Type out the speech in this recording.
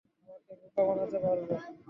আমাকে বোকা বানাতে পারবে?